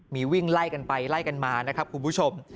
มีวิ่งไล่กันไปไล่กันมานะครับคุณผู้ชม